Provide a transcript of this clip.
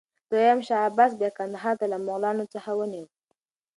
دوهم شاه عباس بیا کندهار له مغلانو څخه ونیوه.